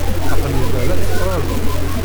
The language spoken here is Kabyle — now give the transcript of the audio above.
Aql-i da la tt-ttṛajuɣ.